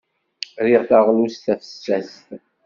Riɣ taɣlust tafessast.